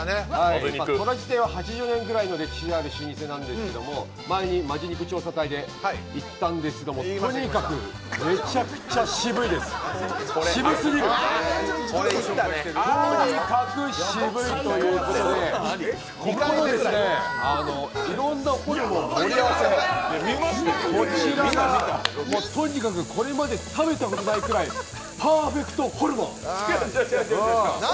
とらじ亭は８０年くらいの歴史がある老舗なんですけど、前に「本気肉調査隊」で行ったんですがとにかく、めちゃくちゃ渋いです渋すぎる、とにかく渋いということでここのいろんなホルモン盛り合わせ、こちらがとにかくこれまで食べたことないくらいパーフェクトホルモン。